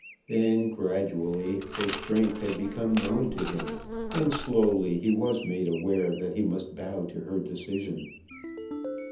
Then gradually her strength had become known to him, and slowly he was made aware that he must bow to her decision.